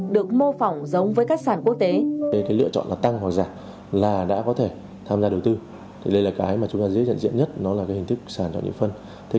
được mô phỏng giống với các sản quốc tế